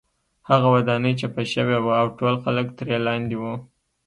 هغه ودانۍ چپه شوې وه او ټول خلک ترې لاندې وو